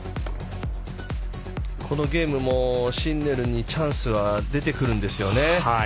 このゲームもシンネルにチャンスは出てくるんですよね。